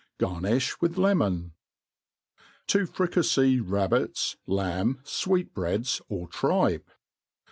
Garnifti with lemon. To fricafey Rabbits^ Lamby Sweet'bnads^ or Tripe.